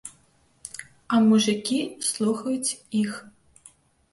А мужыкі слухаюць іх.